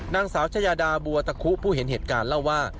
นางสาวชายาดาบัวตะคุผู้เห็นเหตุการณ์เล่าว่า